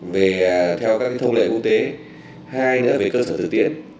về theo các thông lệ quốc tế hai nữa về cơ sở thực tiễn